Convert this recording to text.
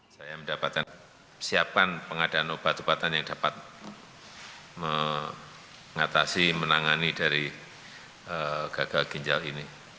saya mendapatkan siapan pengadaan obat obatan yang dapat mengatasi menangani dari gagal ginjal ini